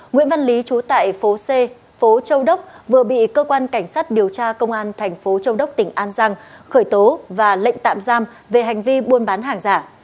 nguyễn văn lý trú tại phố c phố châu đốc vừa bị cơ quan cảnh sát điều tra công an thành phố châu đốc tỉnh an giang khởi tố và lệnh tạm giam về hành vi buôn bán hàng giả